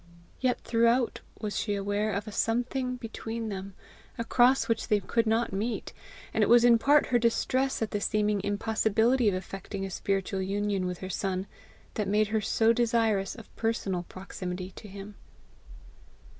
Yet throughout was she aware of a something between them, across which they could not meet; and it was in part her distress at the seeming impossibility of effecting a spiritual union with her son, that made her so desirous of personal proximity to him.